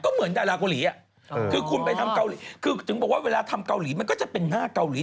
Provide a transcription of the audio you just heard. ก็เหมือนดาลาเกาหลีดูกว่าเวลาทำเกาหลีมันก็จะเป็นหน้าเกาหลี